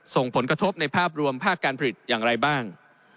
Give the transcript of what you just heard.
ส่งผลกระทบในภาพรวมภาคการผลิตอย่างไรบ้าง